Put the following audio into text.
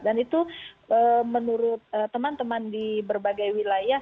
dan itu menurut teman teman di berbagai wilayah